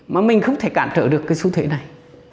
mà mình không thể cản trở được cái xu thế này